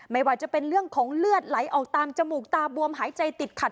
ไม่ว่าจะเป็นเรื่องของเลือดไหลออกตามจมูกตาบวมหายใจติดขัด